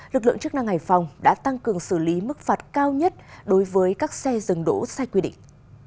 lực lượng chức năng hải phòng đã tăng cường xử lý mức phạt cao nhất đối với các xe dừng đỗ sai quy định